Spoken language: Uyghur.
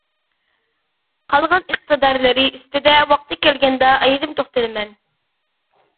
قالغان ئىقتىدارلىرى ئۈستىدە ۋاقتى كەلگەندە ئايرىم توختىلىمەن.